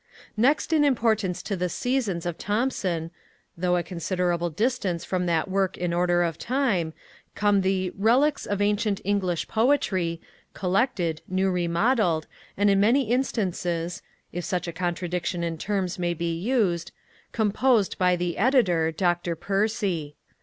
Next in importance to the Seasons of Thomson, though a considerable distance from that work in order of time, come the Reliques of Ancient English Poetry, collected, new modelled, and in many instances (if such a contradiction in terms may be used) composed by the Editor, Dr Percy.